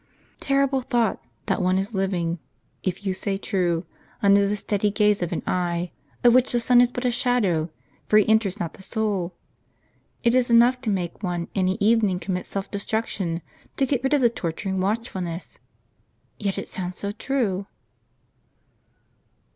Terrible thought, that one is living, if you say true, under the steady gaze of an Eye, of which the sun is but a shadow, for he enters not the soul ! It is enough to make one any evening commit self destruction, to get rid of the torturing watchful ness ! Yet it sounds so true!